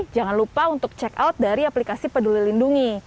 jangan lupa untuk check out dari aplikasi tmii